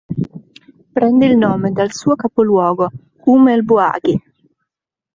Prende il nome dal suo capoluogo Oum el-Bouaghi.